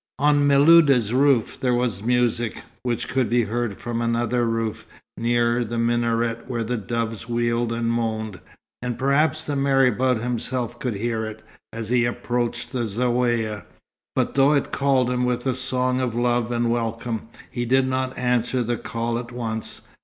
On Miluda's roof there was music, which could be heard from another roof, nearer the minaret where the doves wheeled and moaned; and perhaps the marabout himself could hear it, as he approached the Zaouïa; but though it called him with a song of love and welcome, he did not answer the call at once.